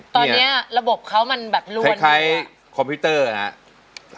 ตอนเนี้ยระบบเค้ามันแบบล้วนคล้ายคล้ายคอมพิวเตอร์อ่ะฮะ